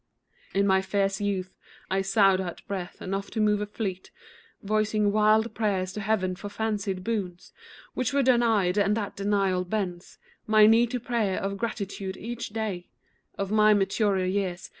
In my fierce youth I sighed out breath enough to move a fleet, Voicing wild prayers to heaven for fancied boons Which were denied; and that denial bends My knee to prayers of gratitude each day Of my maturer years.